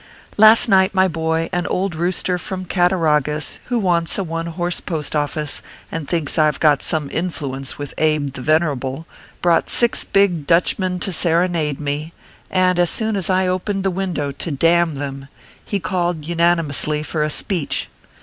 Last night, my boy, an old rooster from Cattarau gus, who wants a one horse post office, and thinks I ve got some influence with Abe the Venerable, brought six big Dutchmen to serenade me ; and, as soon I opened the window to damn them, he called unanimously for a speech.